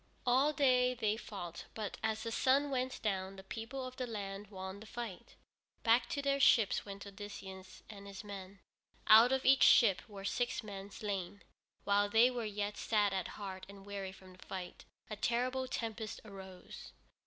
All day they fought, but as the sun went down the people of the land won the fight. Back to their ships went Odysseus and his men. Out of each ship were six men slain. While they were yet sad at heart and weary from the fight, a terrible tempest arose.